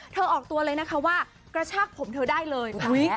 ออกตัวเลยนะคะว่ากระชากผมเธอได้เลย